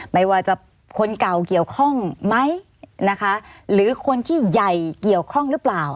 ไม่ว่าจะคนเก่าเกี่ยวข้องไหมนะคะหรือคนที่ใหญ่เกี่ยวข้องหรือเปล่า